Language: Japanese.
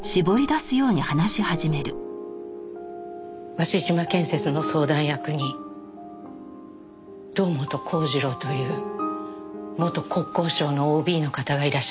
鷲島建設の相談役に堂本幸次郎という元国交省のＯＢの方がいらっしゃるそうです。